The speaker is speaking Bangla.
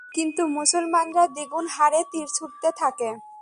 কিন্তু মুসলমানরা দ্বিগুণ হারে তীর ছুঁড়তে থাকে।